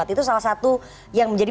itu salah satu yang menjadi